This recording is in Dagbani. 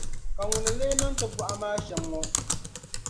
Ka ŋuni n-leei niŋ ti buɣa maa shɛm ŋɔ?